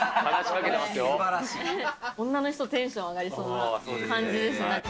女の人、テンション上がりそうな感じですね。